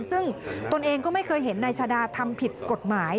ซึ่งตนเองก็ไม่เคยเห็นนายชาดาทำผิดกฎหมาย